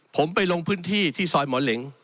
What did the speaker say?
ผมไปลงพื้นที่ที่ซอยหมอเหล็ง